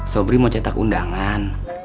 sobri mau cetak undangan